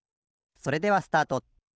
それではスタート。